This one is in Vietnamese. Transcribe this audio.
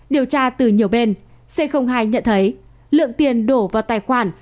điều tra từ nhiều bên c hai nhận thấy lượng tiền đổ vào tài khoản